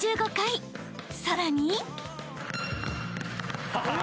［さらに］え！？